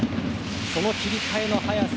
その切り替えの早さ